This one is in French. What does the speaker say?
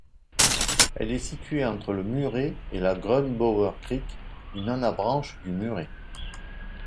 Elle est située entre le Murray et la Gunbower Creek, une anabranche du Murray.